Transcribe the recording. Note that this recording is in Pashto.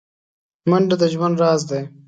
منډه د ژوند راز دی